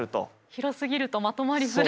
広すぎるとまとまりづらい。